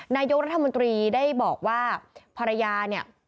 นายกรัฐมนตรีได้บอกว่าภรรยาเนี่ย